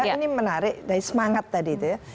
ini menarik dari semangat tadi itu ya